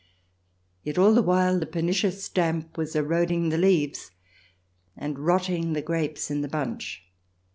Yet all the while the pernicious damp was eroding the leaves and rotting the grapes in the bunch.